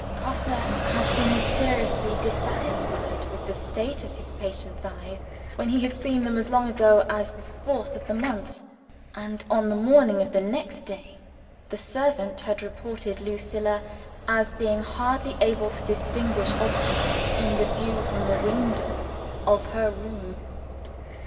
Grosse had been seriously dissatisfied with the state of his patient's eyes, when he had seen them as long ago as the fourth of the month; and, on the morning of the next day, the servant had reported Lucilla as being hardly able to distinguish objects in the view from the window of her room.